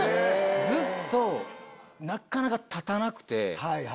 ずっとなかなかたたなくて。